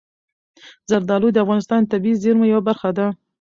زردالو د افغانستان د طبیعي زیرمو یوه برخه ده.